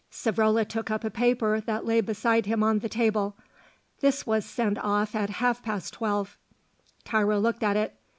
Savrola took up a paper that lay beside him on the table. "This was sent off at half past twelve." Tiro looked at it.